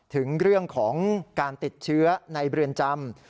ถึงเรื่องของการติดเชื้อในเรือนจำ